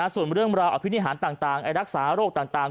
ส่วนเรื่องราวอภินิหารต่างรักษาโรคต่าง